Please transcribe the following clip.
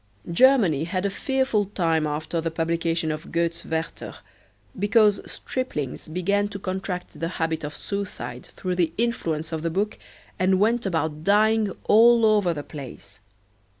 Germany had a fearful time after the publication of Goethe's "Werther" because striplings began to contract the habit of suicide through the influence of the book and went about dying all over the place.